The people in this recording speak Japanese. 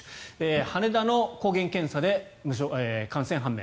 羽田の抗原検査で感染判明。